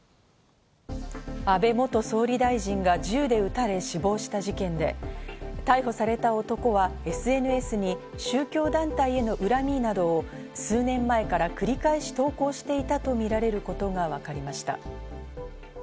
安倍元総理大臣が銃で撃たれ死亡した事件で、逮捕された男はＳＮＳに宗教団体への恨みなどを数年前から繰り返し投稿していたとみられることがわかりました。